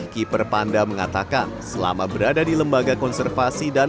dan perusahaan yang berkualitas tersebut mereka juga akan mencari kemampuan untuk menjaga kemampuan